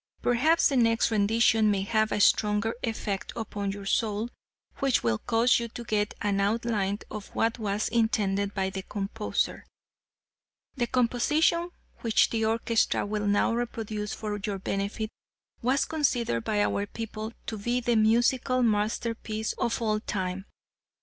Perhaps the next rendition may have a stronger effect upon your soul which will cause you to get an outline of what was intended by the composer. The composition which the orchestra will now reproduce for your benefit was considered by our people to be the musical masterpiece of all time.